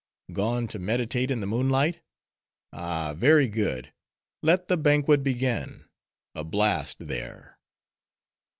— Gone to meditate in the moonlight? ah!—Very good. Let the banquet begin. A blast there!"